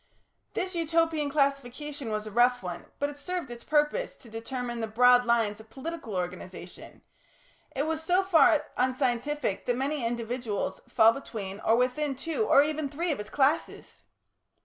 This Utopian classification was a rough one, but it served its purpose to determine the broad lines of political organisation; it was so far unscientific that many individuals fall between or within two or even three of its classes.